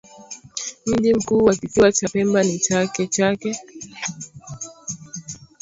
Mji mkuu wa kisiwa cha Pemba ni Chake Chake